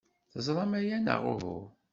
Teẓram aya, neɣ uhu?